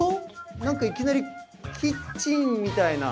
何かいきなりキッチンみたいな。